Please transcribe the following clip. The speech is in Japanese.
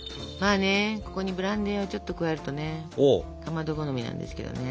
ここにブランデーをちょっと加えるとねかまど好みなんですけどね。